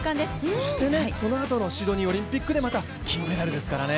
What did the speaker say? そして、そのあとのシドニーオリンピックでまた金メダルですからね。